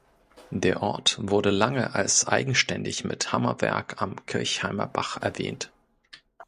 Der Ort wurde lange als eigenständig mit Hammerwerk am Kirchheimer Bach erwähnt.